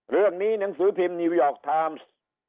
เรื่องนี้หนังสือพิมพ์นิวยอร์กทามส์